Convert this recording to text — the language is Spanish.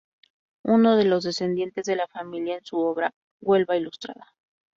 Uno de los descendientes de la familia, en su obra ""Huelva ilustrada.